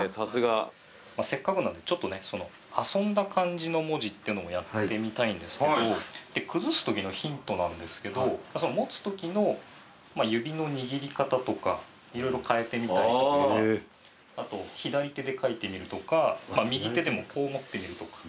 せっかくなんでちょっとね遊んだ感じの文字っていうのもやってみたいんですけど崩すときのヒントなんですけど持つときの指の握り方とか色々変えてみたりとかあと左手で書いてみるとか右手でもこう持ってみるとか。